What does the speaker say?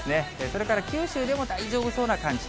それから九州でも大丈夫そうな感じ。